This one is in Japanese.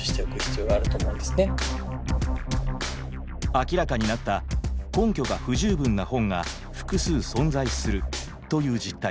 明らかになった「根拠が不十分な本が複数存在する」という実態。